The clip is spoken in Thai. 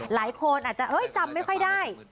หลายคนอาจจะจำไม่ค่อยได้